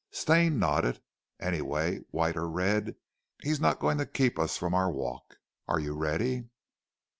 Stane nodded. "Anyway, white or red he is not going to keep us from our walk. Are you ready?"